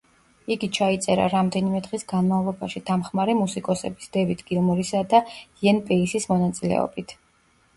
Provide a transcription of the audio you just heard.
იგი ჩაიწერა რამდენიმე დღის განმავლობაში, დამხმარე მუსიკოსების, დევიდ გილმორისა და იენ პეისის მონაწილეობით.